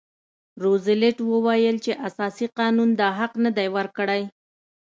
روزولټ وویل چې اساسي قانون دا حق نه دی ورکړی.